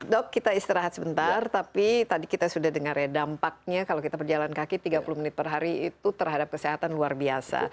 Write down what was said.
dok kita istirahat sebentar tapi tadi kita sudah dengar ya dampaknya kalau kita berjalan kaki tiga puluh menit per hari itu terhadap kesehatan luar biasa